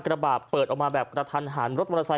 ระบาดเปิดออกมาแบบกระทันหันรถมอเตอร์ไซค